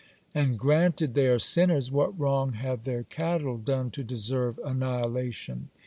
And granted they are sinners, what wrong have their cattle done to deserve annihilation?